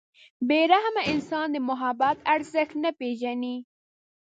• بې رحمه انسان د محبت ارزښت نه پېژني.